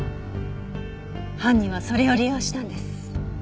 犯人はそれを利用したんです。